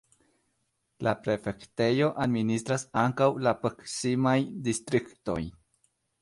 La prefektejo administras ankaŭ la proksimajn distriktojn.